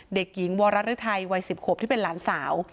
เด็กหญิงวรรฤทัยวัย๑๐ขวบที่เป็นหลานสาว